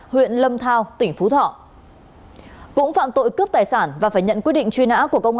huyện lâm thao tỉnh phú thọ cũng phạm tội cướp tài sản và phải nhận quyết định truy nã của công an